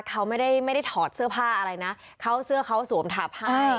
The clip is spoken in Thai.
เขาไม่ได้ถอดเสื้อผ้าอะไรนะเขาเสื้อเขาสวมทับให้